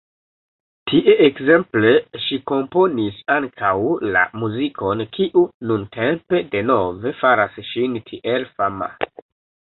Tie ekzemple ŝi komponis ankaŭ la muzikon, kiu nuntempe denove faras ŝin tiel fama.